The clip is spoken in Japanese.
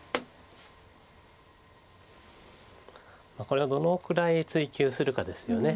これがどのくらい追及するかですよね。